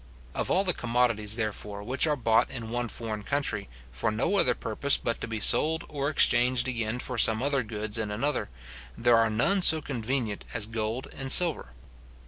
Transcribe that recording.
Of all the commodities, therefore, which are bought in one foreign country, for no other purpose but to be sold or exchanged again for some other goods in another, there are none so convenient as gold and silver.